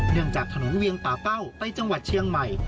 เนื่องจากถนนเวียงป่าเป้าใต้จังหวัดเชียงใหม่